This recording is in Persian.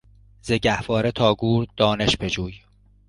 زگهواره تا گور دانش بجوی